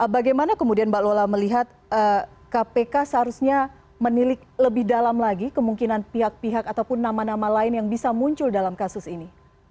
bagaimana kemudian mbak lola melihat kpk seharusnya menilik lebih dalam lagi kemungkinan pihak pihak ataupun nama nama lain yang bisa muncul dalam kasus ini